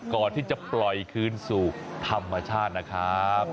ก่อนที่จะปล่อยคืนสู่ธรรมชาตินะครับ